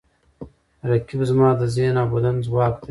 رقیب زما د ذهن او بدن ځواک دی